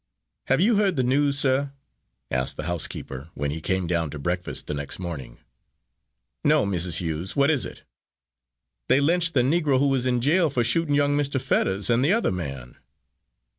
"Have you heard the news, sir," asked the housekeeper, when he came down to breakfast the next morning. "No, Mrs. Hughes, what is it?" "They lynched the Negro who was in jail for shooting young Mr. Fetters and the other man."